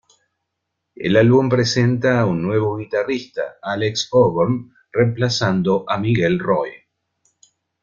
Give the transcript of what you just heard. El álbum presenta un nuevo guitarrista, Alex Auburn, reemplazando a Miguel Roy.